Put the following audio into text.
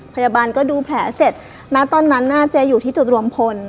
พยาบาลก็ดูแผลเสร็จณตอนนั้นน่ะเจ๊อยู่ที่จุดรวมพล